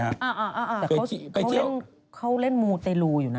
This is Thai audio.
อ่าแต่เขาเล่นมูตรเตรูอยู่นะ